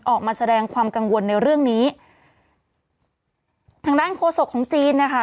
ออกมาแสดงความกังวลในเรื่องนี้ทางด้านโฆษกของจีนนะคะ